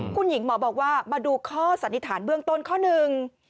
คุณหญิงหมอบอกว่ามาดูข้อสันนิษฐานเบื้องต้นข้อหนึ่ง